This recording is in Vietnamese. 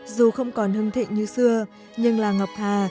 dù không còn hưng thịnh như xưa nhưng là ngọc hà